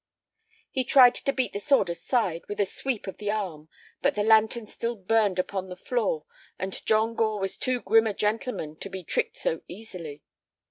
He tried to beat the sword aside with a sweep of the arm, but the lantern still burned upon the floor, and John Gore was too grim a gentleman to be tricked so easily.